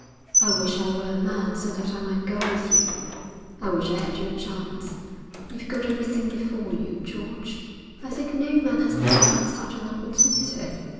I wish I were a man so that I might go with you. I wish I had your chance. You've got everything before you, George. I think no man has ever had such an opportunity.